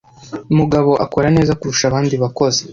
Mugabo akora neza kurusha abandi bakozi